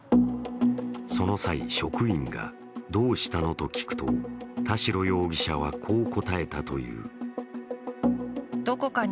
その際、職員がどうしたの？と聞くと田代容疑者はこう答えたという。